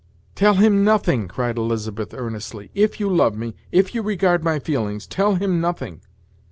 "Tell him nothing," cried Elizabeth, earnestly; "if you love me, if you regard my feelings, tell him nothing.